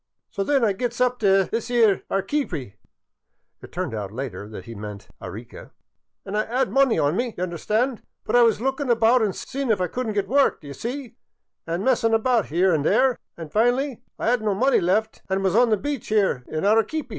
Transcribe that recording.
" So then I gets up t' this 'ere Arequeepy " (It turned out later that he meant Arica) " an' I 'ad money on me, d'y* understand, but I was lookin' about an' seein' if I could n't get work, d' ye see, an' messin* about 'ere an' there, an' fin'ly I 'ad n't no money left an' was on the beach there in Arequeepy.